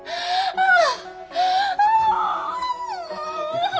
ああ。